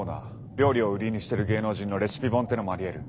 料理を売りにしてる芸能人のレシピ本ってのもありえる。